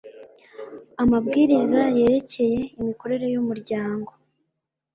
amabwiriza yerekeye imikorere y umuryango